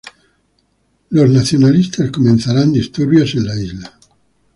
Cuando se ignora, los nacionalistas comenzarán disturbios en la isla.